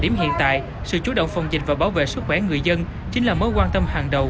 điểm hiện tại sự chú động phòng dịch và bảo vệ sức khỏe người dân chính là mối quan tâm hàng đầu